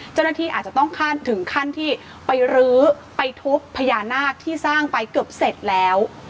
เจ้าหน้าที่อาจจะต้องถึงขั้นที่ไปรื้อไปทุบพญานาคที่สร้างไปเกือบเสร็จแล้ว